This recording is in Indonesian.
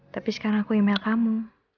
tapi sekarang aku email kamu